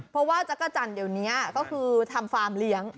เพราะว่าจักรจันทร์เดี๋ยวนี้ก็คือทำฟาร์มเลี้ยง